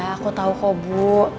aku tau kok bu